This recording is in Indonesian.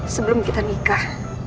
sebelum kita nikah